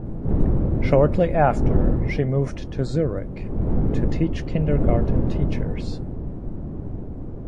Shortly after she moved to Zurich to teach kindergarten teachers.